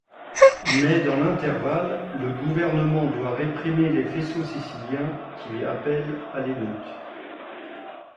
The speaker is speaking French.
Mais dans l'intervalle, le gouvernement doit réprimer les faisceaux siciliens, qui appellent à l'émeute.